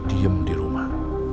diem di rumah